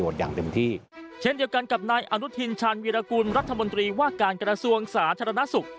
เช่นเดียวกันกับนอนุทิริย์ชาญวีรกุลรัฐมนตรีวางการส่วนสาธารณสุข